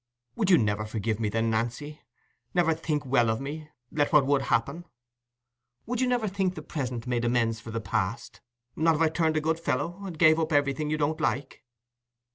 "Would you never forgive me, then, Nancy—never think well of me, let what would happen—would you never think the present made amends for the past? Not if I turned a good fellow, and gave up everything you didn't like?"